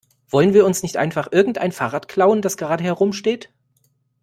Wollen wir uns nicht einfach irgendein Fahrrad klauen, das gerade herumsteht?